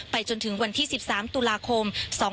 จนถึงวันที่๑๓ตุลาคม๒๕๕๙